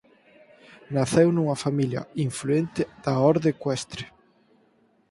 Naceu nunha familia influente da orde ecuestre.